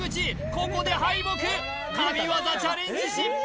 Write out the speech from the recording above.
ここで敗北神業チャレンジ失敗！